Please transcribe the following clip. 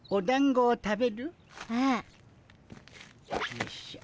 よいしょ。